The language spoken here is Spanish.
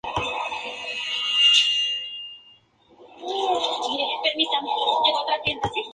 Anteriormente, la principal ciudad fue Shusha.